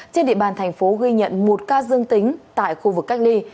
trên địa bàn thành phố ghi nhận một ca dương tính tại khu vực cách ly